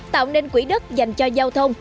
tạo nên quỹ đất dành cho giao thông